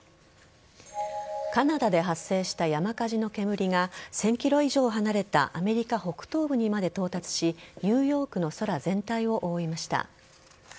カナダで発生した山火事の煙が１０００ｋｍ以上離れたアメリカ北東部にまで到達しニューヨークの空全体を覆いました。